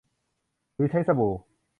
หรือใช้สบู่